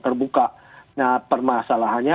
terbuka nah permasalahannya